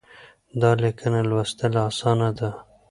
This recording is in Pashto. دا ليکنه لوستل اسانه ده.